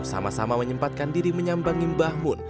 sama sama menyempatkan diri menyambangim bahmun